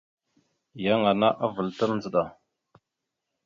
Yan ana avəlatal ndzəɗa.